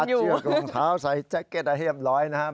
มัดเชือกลงเท้าใส่แจ็คเก็ตอาเฮียบร้อยนะครับ